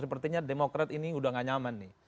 sepertinya demokrat ini udah gak nyaman nih